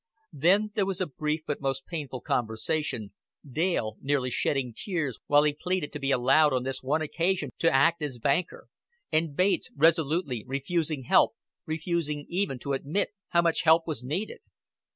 Then there was a brief but most painful conversation, Dale nearly shedding tears while he pleaded to be allowed on this one occasion to act as banker, and Bates resolutely refusing help, refusing even to admit how much help was needed.